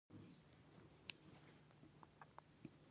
خو دا به هم منو چې